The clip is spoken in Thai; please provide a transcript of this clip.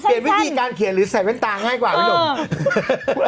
เปลี่ยนวิธีการเขียนหรือใส่เว้นตาง่ายกว่าประโยชน์